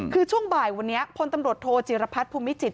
คือช่วงบ่ายวันนี้พลตำรวจโทจิรพัฒน์ภูมิจิต